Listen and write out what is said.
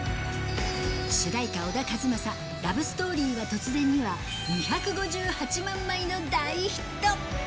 主題歌、小田和正、ラブ・ストーリーは突然には２５８万枚の大ヒット。